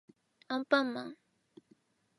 アンパンマン